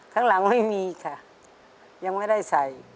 ข้างหลังไม่มีค่ะยังไม่ได้ใส่